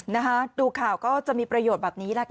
นะคะดูข่าวก็จะมีประโยชน์แบบนี้แหละค่ะ